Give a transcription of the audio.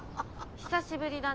久しぶりだね。